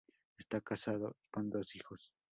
Esta casado, y con dos hijos.